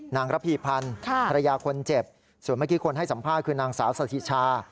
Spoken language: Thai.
ระพีพันธ์ภรรยาคนเจ็บส่วนเมื่อกี้คนให้สัมภาษณ์คือนางสาวสถิชา